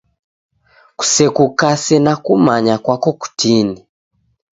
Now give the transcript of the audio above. Kusekukase na kumanya kwako kutini!